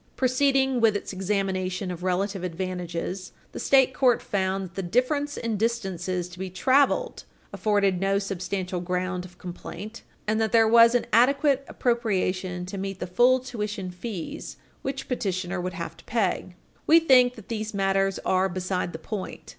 Proceeding with its examination of relative advantages, the state court found that the difference in distances to be traveled afforded no substantial ground of complaint, and that there was an adequate appropriation to meet the full tuition fees which petitioner would have to pay. We think that these matters are beside the point.